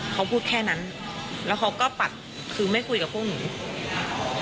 เขาพูดแค่นั้นแล้วเขาก็ปัดคือไม่คุยกับพวกหนูค่ะ